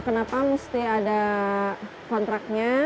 kenapa mesti ada kontraknya